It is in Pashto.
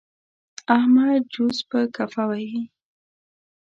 احمد چوس په کفه وهي.